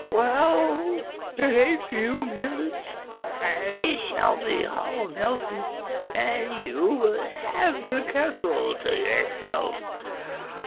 "Well, in a few minutes I shall be all melted, and you will have the castle to yourself.